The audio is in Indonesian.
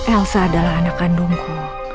elsa adalah anak kandungku